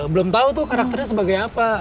belum tahu tuh karakternya sebagai apa